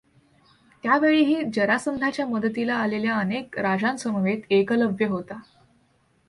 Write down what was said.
त्यावेळीही जरासंधाच्या मदतीला आलेल्या अनेक राजांसमवेत एकलव्य होता.